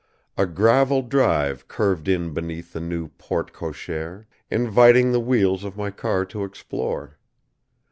A gravel drive curved in beneath the new porte cochère, inviting the wheels of my car to explore.